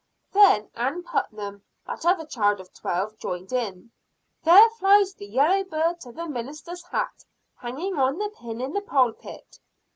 Then Ann Putnam, that other child of twelve, joined in; "There flies the yellow bird to the minister's hat, hanging on the pin in the pulpit."